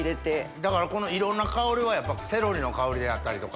だからこのいろんな香りはセロリの香りであったりとか。